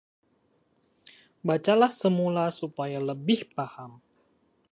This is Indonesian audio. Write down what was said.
bacalah semula supaya lebih paham